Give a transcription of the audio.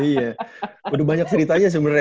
iya aduh banyak ceritanya sebenarnya